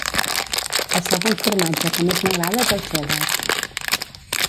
El segon formatge que més m'agrada és el cheddar.